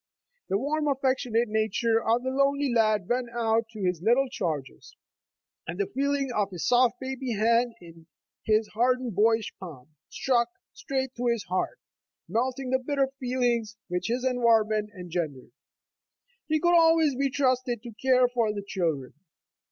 The warm, affectionate nature of the lonely lad went out to his little charges, and the feeling of a soft baby hand in his hardened boyish palm, struck straight to his heart, melting the bitter feelings which his environment engendered. He could always be trusted to care for the children.